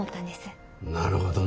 なるほどな。